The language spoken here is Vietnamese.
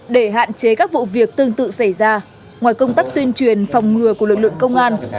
để hạn chế các vụ việc tương tự xảy ra ngoài công tác tuyên truyền phòng ngừa của lực lượng công an